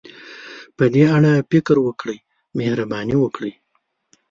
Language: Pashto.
په دې اړه فکر وکړئ، مهرباني وکړئ.